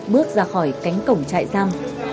bước ra khỏi cánh cổng chạy giam